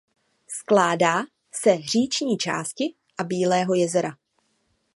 Skládá se říční části a Bílého jezera.